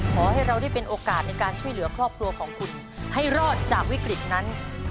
ขอให้เราได้เป็นโอกาสในการช่วยเหลือครอบครัวของคุณให้รอดจากวิกฤตนั้น